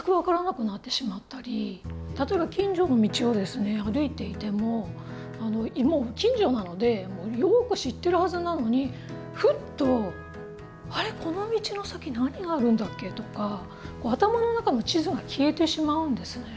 例えば近所の道を歩いていてももう近所なのでよく知ってるはずなのにふっと「あれこの道の先何があるんだっけ？」とか頭の中の地図が消えてしまうんですね。